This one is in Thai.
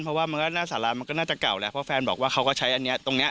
เพราะว่ามันก็หน้าสารามันก็น่าจะเก่าแหละเพราะแฟนบอกว่าเขาก็ใช้อันนี้ตรงเนี้ย